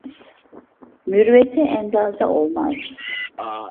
Mürüvvete endaze olmaz.